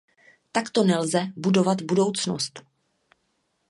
Takto nelze budovat budoucnost.